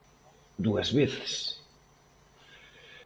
Dúas veces...